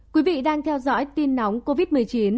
quý vị đang theo dõi tin nóng covid một mươi chín